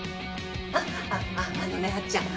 あっあのねあっちゃん